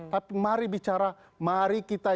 tapi mari bicara mari kita